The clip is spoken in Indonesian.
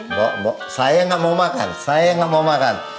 mbak mbak saya enggak mau makan saya enggak mau makan